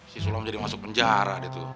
si sulam jadi masuk penjara